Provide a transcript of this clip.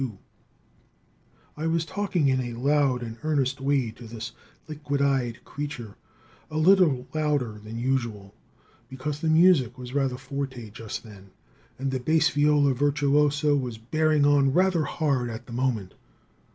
2, I was talking in a loud and earnest way to this liquid eyed creature, a little louder than usual, because the music was rather forte just then, and the base viol virtuoso was bearing on rather hard at that moment.